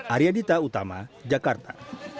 arya dita utama jakarta